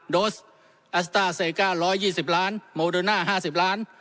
โดสแอสต้าเซกา๑๒๐ล้านโมโดน่า๕๐ล้าน